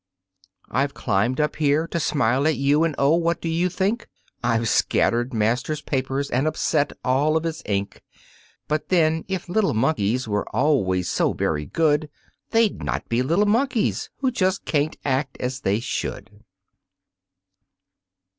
"I've climbed up here to smile at you and, oh, what do you think? I've scattered master's papers and upset all of his ink, But then if little Monkeys always were so very good They'd not be little monkeys who just can't act as they should."